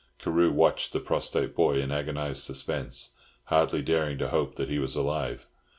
Carew watched the prostrate boy in agonised suspense, hardly daring to hope that he was alive.